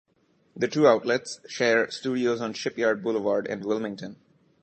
The two outlets share studios on Shipyard Boulevard in Wilmington.